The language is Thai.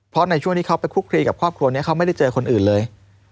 เพราะในช่วงที่เขาไปคุกคลีกับครอบครัวนี้เขาไม่ได้เจอคนอื่นเลย